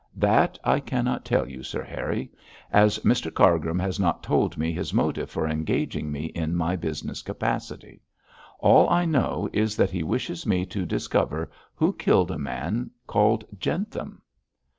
'That I cannot tell you, Sir Harry, as Mr Cargrim has not told me his motive for engaging me in my business capacity. All I know is that he wishes me to discover who killed a man called Jentham.'